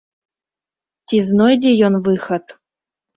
Ці знойдзе ён выхад?